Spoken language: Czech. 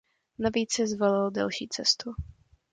Navíc si zvolil delší cestu.